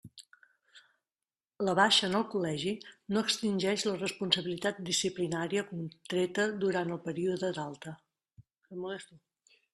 La baixa en el col·legi no extingeix la responsabilitat disciplinària contreta durant el període d'alta.